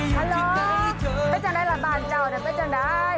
ฮัลโหลพี่จะได้หลับมาเจาะหน่อยไม่จำได้